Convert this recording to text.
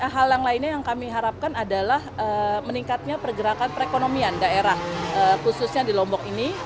hal yang lainnya yang kami harapkan adalah meningkatnya pergerakan perekonomian daerah khususnya di lombok ini